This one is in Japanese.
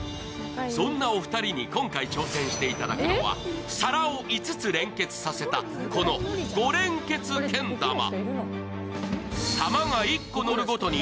そんなお二人に今回挑戦していただくのは、皿を５つ連結させたこの５連けん玉。